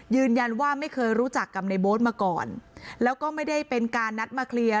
ไม่เคยรู้จักกับในโบ๊ทมาก่อนแล้วก็ไม่ได้เป็นการนัดมาเคลียร์